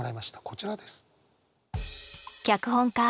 こちらです。